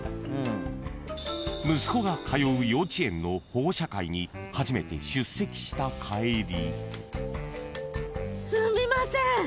［息子が通う幼稚園の保護者会に初めて出席した帰り］